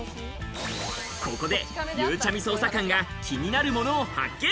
ここでゆうちゃみ捜査官が気になるものを発見。